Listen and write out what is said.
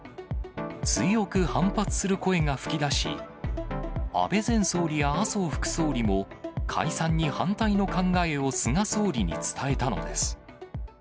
強く反発する声が吹き出し、安倍前総理や麻生副総理も解散に反対の考えを菅総理に伝えたのです。